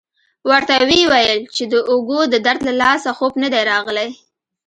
ورته ویې ویل چې د اوږو د درد له لاسه خوب نه دی راغلی.